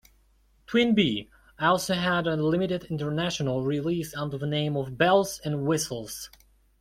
TwinBee", also had a limited international release under the name of "Bells and Whistles".